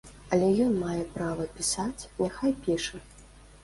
Але ён мае права пісаць, няхай піша.